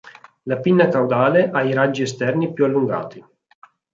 La pinna caudale ha i raggi esterni più allungati.